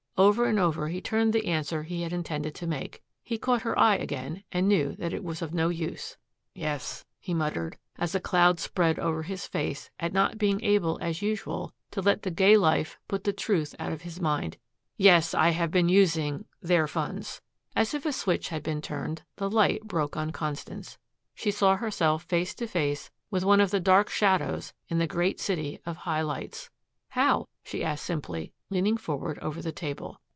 Over and over he turned the answer he had intended to make. He caught her eye again and knew that it was of no use. "Yes," he muttered, as a cloud spread over his face at not being able, as usual, to let the gay life put the truth out of his mind. "Yes, I have been using their funds." As if a switch had been turned, the light broke on Constance. She saw herself face to face with one of the dark shadows in the great city of high lights. "How?" she asked simply, leaning forward over the table.